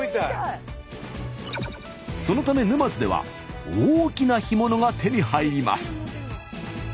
そのため沼津では大きな干物が手に入ります。